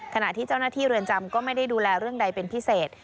ขณะที่เจ้าหน้าที่เรือนจำก็ไม่ได้ดูแลเรื่องใดเป็นพิเศษ